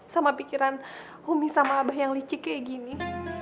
sama pikiran humi sama abah yang licik kayak gini